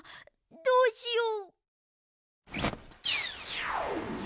どうしよう。